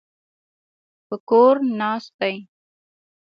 په کور ناست دی.